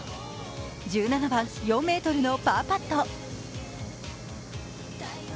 １７番４ｍのパーパット。